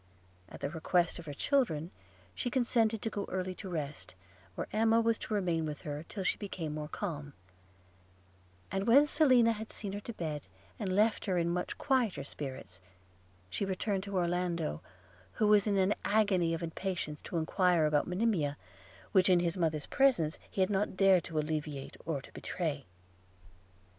At the request of her children she consented to go early to rest, where Emma was to remain with her till she became more calm; and when Selina had seen her to bed, and left her in much quieter spirits, she returned to Orlando, who was in an agony of impatience to enquire about Monimia, which in his mother's presence he had not dared to alleviate or to betray.